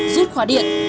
rút khóa điện